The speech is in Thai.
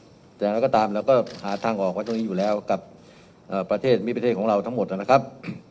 แต่อย่างไรก็ตามเราก็หาทางออกไว้ตรงนี้อยู่แล้วกับประเทศมีประเทศของเราทั้งหมดนะครับ